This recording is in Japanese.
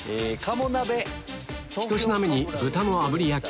１品目に豚の炙り焼き